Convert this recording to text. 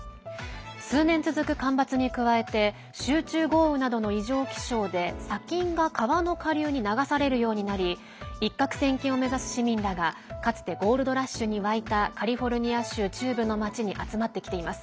数年続く干ばつに加えて集中豪雨などの異常気象で砂金が川の下流に流されるようになり一獲千金を目指す市民らがかつてゴールドラッシュに沸いたカリフォルニア州中部の町に集まってきています。